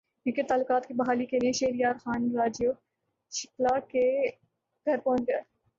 cricket تعلقات کی بحالی کیلئے شہریار خان راجیو شکلا کے گھرپہنچ گئے